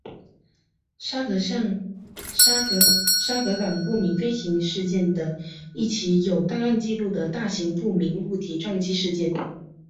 沙格港不明飞行物事件的一起有档案记录的大型不明物体撞击事件。